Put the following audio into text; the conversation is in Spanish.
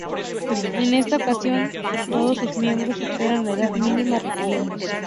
En esta ocasión, todos sus miembros superan la edad mínima requerida.